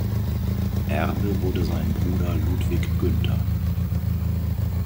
Erbe wurde sein Bruder Ludwig Günther.